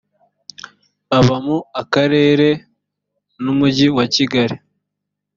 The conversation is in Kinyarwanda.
baba mu akarere n’ umujyi wa kigali